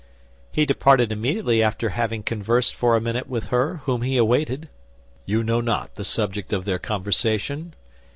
"He departed immediately after having conversed for a minute with her whom he awaited." "You know not the subject of their conversation?"